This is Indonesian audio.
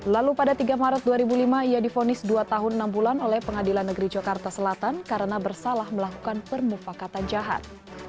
lalu pada tiga maret dua ribu lima ia difonis dua tahun enam bulan oleh pengadilan negeri jakarta selatan karena bersalah melakukan permufakatan jahat